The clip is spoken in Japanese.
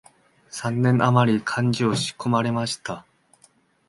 三年あまり漢学を仕込まれました